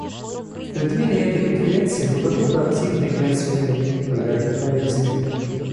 В преддверии этой конференции мы готовы активно играть свою роль, когда это полезно.